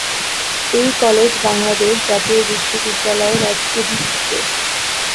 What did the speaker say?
এই কলেজ বাংলাদেশ জাতীয় বিশ্ববিদ্যালয়-এর অধিভুক্ত।